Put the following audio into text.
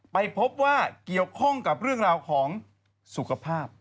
ไปพบว่าแกเกี่ยวคล้นกับของสุขภาพ